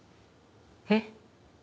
えっ？